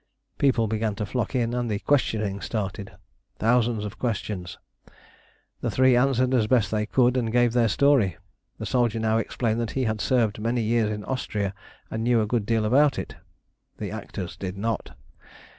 People began to flock in, and the questioning started thousands of questions. The three answered as best they could and gave their story. The soldier now explained that he had served many years in Austria and knew a great deal about it. The actors did not.